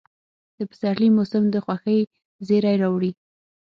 د پسرلي موسم د خوښۍ زېرى راوړي.